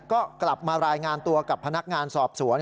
ก็กลับมารายงานตัวกับพนักงานสอบสวน